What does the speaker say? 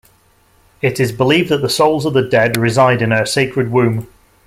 It is believed that the souls of the dead reside in her sacred womb.